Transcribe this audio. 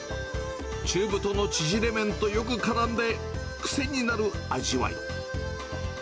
中太のちぢれ麺とよく絡んで、癖になる味わい。